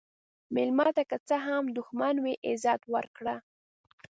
مېلمه ته که څه هم دښمن وي، عزت ورکړه.